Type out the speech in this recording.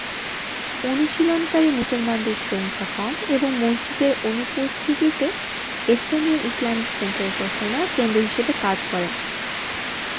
অনুশীলনকারী মুসলমানদের সংখ্যা কম এবং মসজিদের অনুপস্থিতিতে এস্তোনীয় ইসলামিক সেন্টার উপাসনার কেন্দ্র হিসেবে কাজ করে।